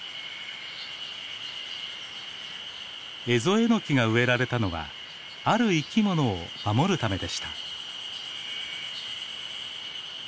エゾエノキが植えられたのはある生きものを守るためでした。